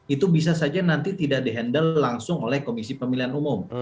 itu bisa saja nanti tidak di handle langsung oleh komisi pemilihan umum